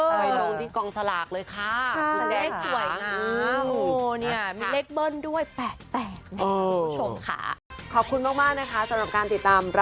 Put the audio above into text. ไปตรงที่กองสลากเลยค่ะแดกสวยงาม